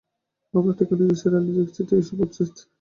আমার ঠিকানায় নিসার আলির এক চিঠি এসে উপস্থিতি।